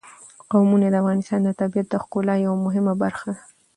قومونه د افغانستان د طبیعت د ښکلا یوه مهمه برخه ده.